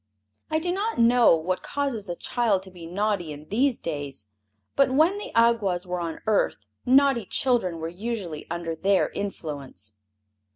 I do not know what causes a child to be naughty in these days, but when the Awgwas were on earth naughty children were usually under their influence.